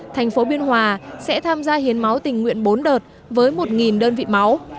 thành phố biên hòa sẽ tham gia hiến máu tình nguyện bốn đợt với một đơn vị máu